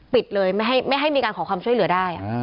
ปิดเลยไม่ให้มีการขอความช่วยเหลือได้